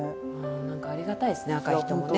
何かありがたいですね赤い人もね。